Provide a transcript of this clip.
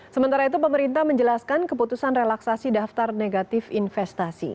sementara itu pemerintah menjelaskan keputusan relaksasi daftar negatif investasi